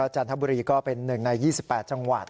จันทบุรีก็เป็น๑ใน๒๘จังหวัด